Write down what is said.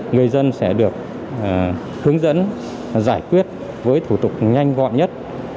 người dân sẽ được hướng dẫn giải quyết với thủ tục nhanh gọn nhất